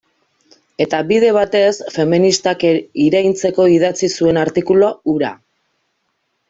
Eta bide batez, feministak iraintzeko idatzi zuen artikulu hura.